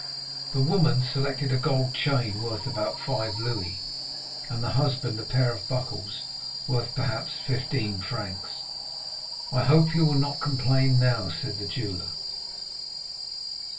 "The woman selected a gold chain worth about five louis, and the husband a pair of buckles, worth perhaps fifteen francs. "'I hope you will not complain now?' said the jeweller.